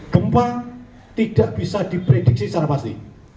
gempa tidak bisa diprediksi secara pasti